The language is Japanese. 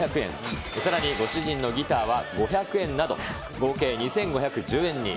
さらにご主人のギターは５００円など、合計２５１０円に。